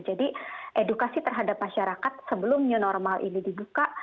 jadi edukasi terhadap masyarakat sebelum new normal ini dibuka